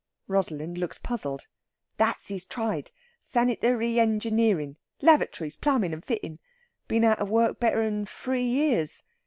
Rosalind looks puzzled. "That's his tride sanitary engineering, lavatries, plumbin', and fittin'. Been out of work better than three years.